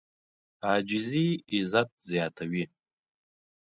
عاجزي عزت زیاتوي.